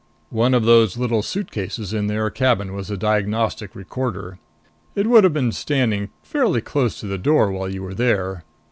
"One of those little suitcases in their cabin was a diagnostic recorder. It would have been standing fairly close to the door while you were there.